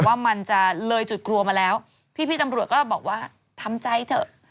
ว่ามันจะเลยจุดกลัวมาแล้วพี่ตำรวจก็บอกว่าทำใจเถอะ